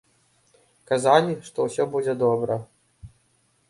Казалі, што ўсё будзе добра.